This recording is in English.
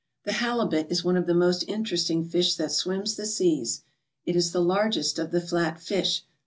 The halibut is one of the most interesting fish that swims the seas. It is the largest of the flat fish.